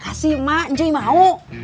terima kasih mak njoi mau